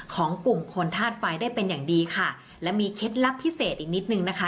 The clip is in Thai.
ของกลุ่มคนธาตุไฟได้เป็นอย่างดีค่ะและมีเคล็ดลับพิเศษอีกนิดนึงนะคะ